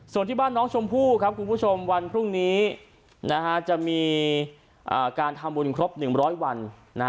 ส่วนที่บ้านน้องชมพู่ครับคุณผู้ชมวันพรุ่งนี้จะมีการทำบุญครบ๑๐๐วัน